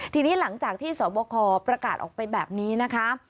ทีนี้หลังจากที่สวบคประกาศออกไปแบบนี้นะคะ